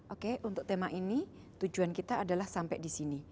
oke untuk tema ini tujuan kita adalah sampai di sini